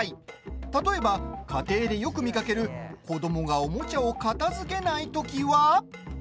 例えば、家庭でよく見かける子どもがおもちゃを片づけないときは。